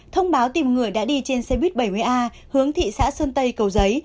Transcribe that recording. thông báo tìm người đã đi trên xe buýt bảy mươi a hướng thị xã sơn tây cầu giấy